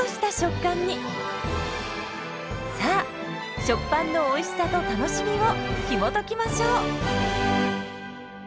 さあ「食パン」のおいしさと楽しみをひもときましょう！